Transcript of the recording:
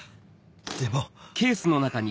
でも